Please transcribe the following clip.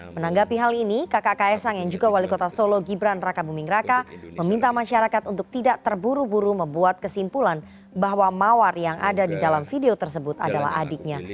menanggapi hal ini kakak ks sang yang juga wali kota solo gibran raka buming raka meminta masyarakat untuk tidak terburu buru membuat kesimpulan bahwa mawar yang ada di dalam video tersebut adalah adiknya